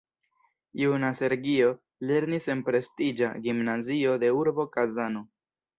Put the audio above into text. Juna Sergio lernis en prestiĝa gimnazio de urbo Kazano.